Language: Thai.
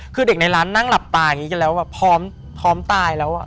คือเด็กในร้านนั่งหลับตาอย่างนี้กันแล้วแบบพร้อมตายแล้วอ่ะ